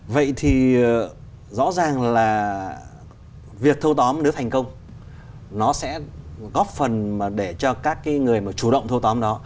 vậy thì rõ ràng là việc thô tóm nước thành công nó sẽ góp phần để cho các người chủ động thô tóm đó